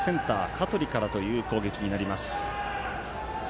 香取からという攻撃になります。